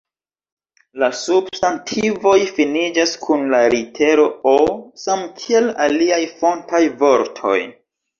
La substantivoj finiĝas kun la litero “O” samkiel aliaj fontaj vortoj.